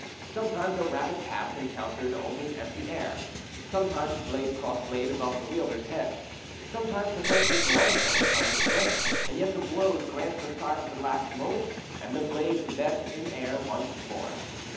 Sometimes a rapid pass encountered only empty air; sometimes blade crossed blade above the wielders' heads; sometimes the fencers lunged at each other's breast, and yet the blows glanced aside at the last moment and the blades met in air once more.